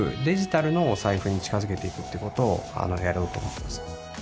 デジタルのお財布に近づけていくっていうことをやろうと思ってます